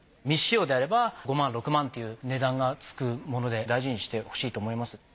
未使用であれば５万６万という値段がつくもので大事にしてほしいと思います。